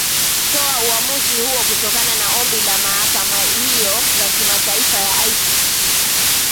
toa uamuzi huo kutokana na ombi la mahakama hiyo ya kimataifa ya icc